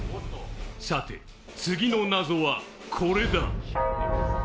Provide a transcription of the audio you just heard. さて、次の謎はこれだ！